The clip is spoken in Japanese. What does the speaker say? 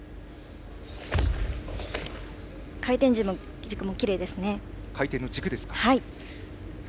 回転軸もきれいですね。